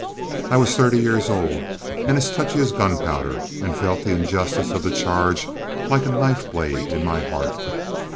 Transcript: I was thirty years old and as touchy as gunpowder, and felt the injustice of the charge like a knife blade in my heart.